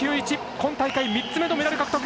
今大会３つ目のメダル獲得。